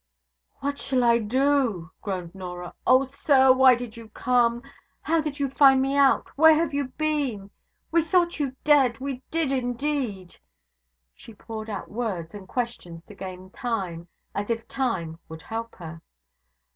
'What shall I do?' groaned Norah. 'Oh, sir! why did you come? how did you find me out? where have you been? We thought you dead, we did indeed!' She poured out words and questions to gain time, as if time would help her.